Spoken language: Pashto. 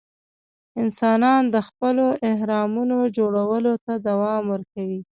انسانان د خپلو اهرامونو جوړولو ته دوام ورکوي.